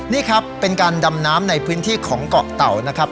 นี่ครับเป็นการดำน้ำในพื้นที่ของเกาะเต่านะครับ